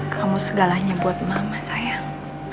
kamu segalanya buat mama sayang